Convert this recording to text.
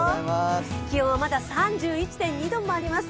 気温はまだ３１．２度もあります。